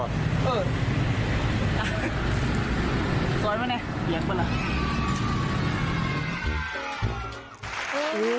ซ้อยไหมเนี่ยเหลียงไปแล้ว